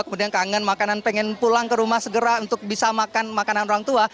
kemudian kangen makanan pengen pulang ke rumah segera untuk bisa makan makanan orang tua